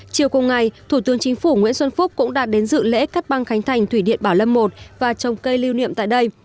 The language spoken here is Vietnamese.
chiều cùng ngày thủ tướng chính phủ nguyễn xuân phúc cũng đã đến dự lễ cắt băng khánh thành thủy điện bảo lâm một và trồng cây lưu niệm tại đây